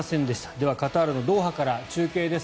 では、カタールのドーハから中継です。